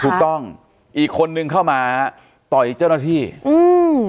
ถูกต้องอีกคนนึงเข้ามาต่อยเจ้าหน้าที่อืม